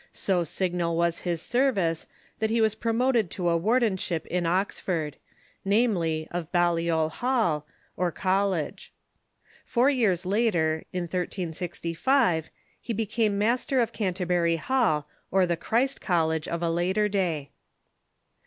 So signal was his service that he was pro moted to a wardenship in Oxford — namely, of Balliol Hall, or College. Four years later, in 1365, he became master of Can terbury Hall, or the Christ College of a later day.